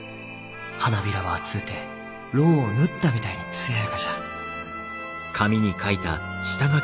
花びらは厚うてロウを塗ったみたいに艶やかじゃ。